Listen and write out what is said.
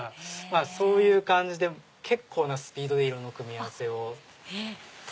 そういう感じで結構なスピードで色の組み合わせを。